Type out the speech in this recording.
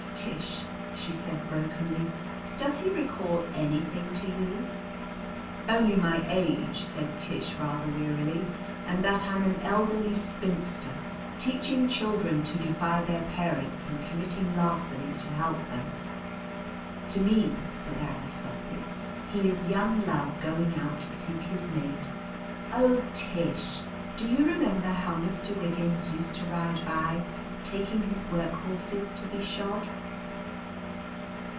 "Tish," she said brokenly, "does he recall anything to you?" "Only my age," said Tish rather wearily, "and that I'm an elderly spinster teaching children to defy their parents and committing larceny to help them." "To me," said Aggie softly, "he is young love going out to seek his mate. Oh, Tish, do you remember how Mr. Wiggins used to ride by taking his work horses to be shod!"